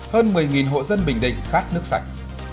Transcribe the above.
hơn một mươi hộ dân bình định khát nước sạch